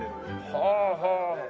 はあはあ。